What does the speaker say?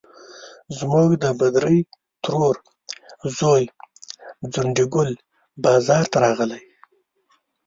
زموږ د بدرۍ ترور زوی ځونډي ګل بازار ته راغلی.